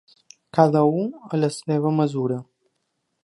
Cada u a la seva mesura.